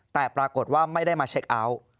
แต่ปรากฏว่าไม่ได้มาเช็คเอาท์